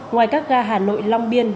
ngoài các ga hà nội long biên